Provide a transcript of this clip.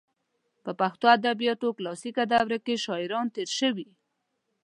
په پښتو ادبیاتو کلاسیکه دوره کې شاعران تېر شوي.